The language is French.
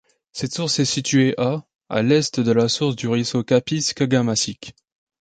Cette source est située à à l’Est de la source du ruisseau Kapiskagamacik.